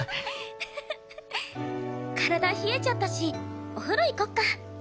体冷えちゃったしお風呂行こっか。